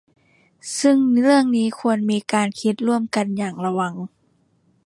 ซึ่งเรื่องนี้ควรมีการคิดร่วมกันอย่างระวัง